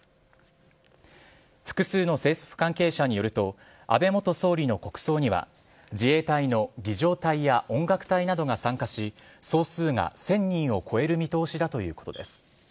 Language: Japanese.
複数の政府関係者によると、安倍元総理の国葬には、自衛隊の儀じょう隊や音楽隊などが参加し、総数が１０００人を超える見通しだということです。